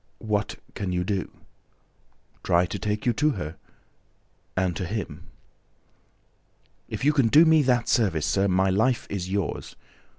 "What can you do?" "Try to take you to her ... and to him." "If you can do me that service, sir, my life is yours!